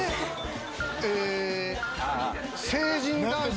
え成人男性。